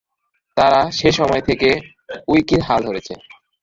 তারা সেসময় থেকে উইকির হাল ধরেছে।